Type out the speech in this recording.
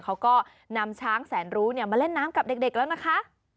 เขาก็นำช้างแสนรู้มาเล่นน้ำกับเด็กแล้วนะคะ